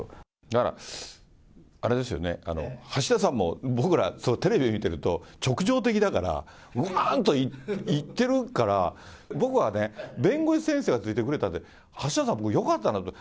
だから、あれですよね、橋田さんも僕ら、テレビを見てると、直情的だから、うわーっといってるから、僕はね、弁護士先生がついてくれたって、橋田さん、よかったなって。